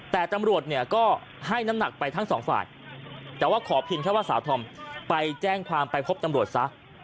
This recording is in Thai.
แต่ตำรวจเนี่ยก็ให้น้ำหนักไปทั้งสองฝ่ายแต่ว่าขอเพียงแค่ว่าสาวธอมไปแจ้งความไปพบตำรวจซะ